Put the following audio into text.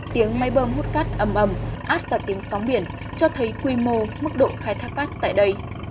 tiếng máy bơm hút cát ấm ấm át vào tiếng sóng biển cho thấy quy mô mức độ khai thác cát tại đây